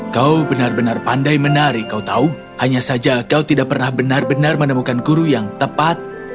kau benar benar pandai menari kau tahu hanya saja kau tidak pernah benar benar menemukan guru yang tepat